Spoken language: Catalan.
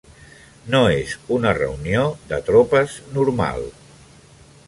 No és una reunió de tropes normal.